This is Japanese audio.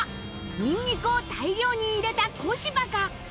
ニンニクを大量に入れた小柴か？